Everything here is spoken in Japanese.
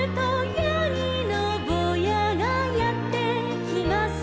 「やぎのぼうやがやってきます」